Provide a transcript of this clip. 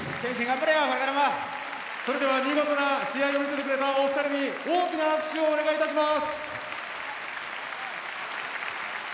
見事な試合を見せてくれたお二人に大きな拍手をお願いします。